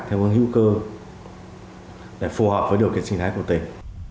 theo hướng hữu cơ để phù hợp với điều kiện sinh thái của tỉnh